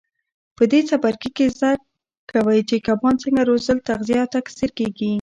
په دې څپرکي کې زده کوئ چې کبان څنګه روزل تغذیه او تکثیر کېږي.